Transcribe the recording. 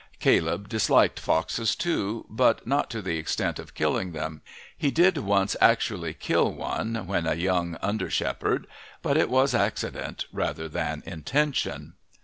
Caleb disliked foxes, too, but not to the extent of killing them. He did once actually kill one, when a young under shepherd, but it was accident rather than intention.